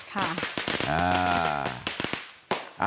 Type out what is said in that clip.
ค่ะ